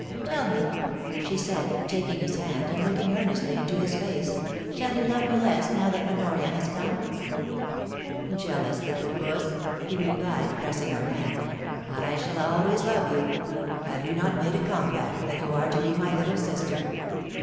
Tell me,' she said, taking his hand, and looking earnestly into his face, * shall you love me less now that Honoria has come ?* 'Jealous little puss 1* he replied, pressing her hand. * I BARRINGTON AND HONORIA. i6i shall always love you. Have we not made a compact that you are to be my little sister